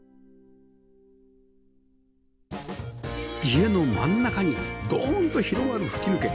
家の真ん中にドーンと広がる吹き抜け